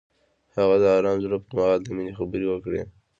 هغه د آرام زړه پر مهال د مینې خبرې وکړې.